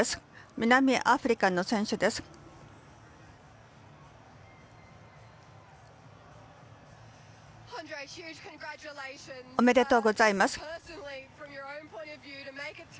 南アフリカの選手です。おめでとうございます。